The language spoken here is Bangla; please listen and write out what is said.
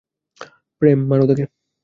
প্রেম, মার তাকে!